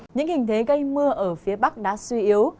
những hình thế gây mưa ở phía bắc đã suy yếu